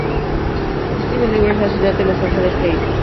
Su último libro es "La ciudad de los ángeles caídos".